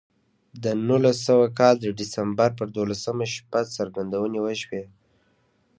د نولس سوه کال د ډسمبر پر دولسمه شپه څرګندونې وشوې